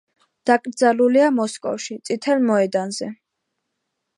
დაკრძალულია მოსკოვში, წითელ მოედანზე.